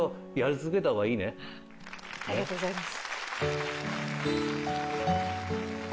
ありがとうございます。